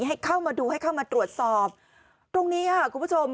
ให้เข้ามาดูให้เข้ามาตรวจสอบตรงนี้ค่ะคุณผู้ชม